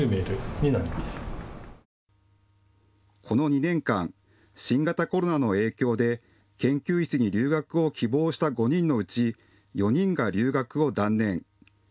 この２年間、新型コロナの影響で研究室に留学を希望した５人のうち４人が留学を断念。